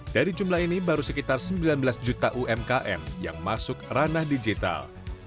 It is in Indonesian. dari jumlah ini baru sekitar sembilan belas juta umkm yang masuk ranah digital